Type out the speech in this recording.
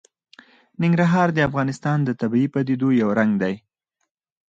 ننګرهار د افغانستان د طبیعي پدیدو یو رنګ دی.